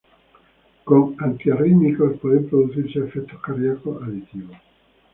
Con anti-arrítimicos pueden producirse efectos cardiacos aditivos.